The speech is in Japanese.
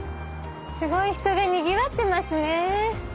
すごい人がにぎわってますね。